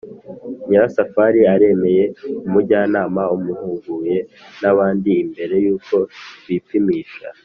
nyirasafari aremeye. umujyanama amuhuguye n’abandi mbere yuko bipimisha.